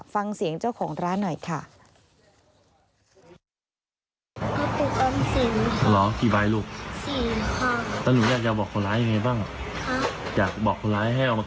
ฟังเสียงเจ้าของร้านหน่อยค่ะ